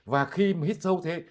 và khi mà hít sâu thế